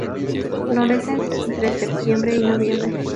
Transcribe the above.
Florece entre septiembre y noviembre.